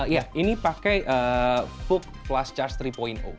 iya ini pakai vooc plus charge tiga